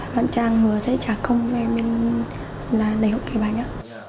bạn trang hứa sẽ trả công cho em là lấy hộp cái bánh ạ